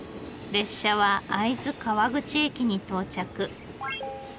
列車は会津川口駅に到着。